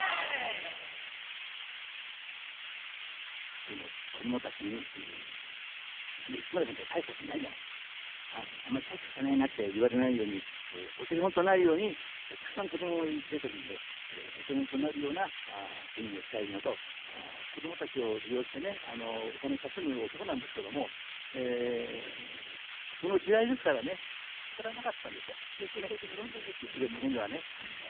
とにかく子どもたちに、なんだ、市村さんって大したことないじゃない、あんまり大したことないなって言われないように、お手本となるように、たくさん子どもが出てるんで、お手本となるような演技をしたいのと、子どもたちを利用してね、お金稼ぐ男なんですけども、その時代ですからね、１９世紀のロンドンですから生きるためにはね。